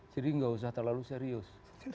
jadi nggak usah terlalu serius